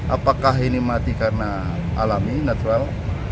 apakah ini mati karena alami natural